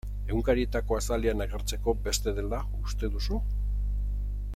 Egunkarietako azalean agertzeko beste dela uste duzu?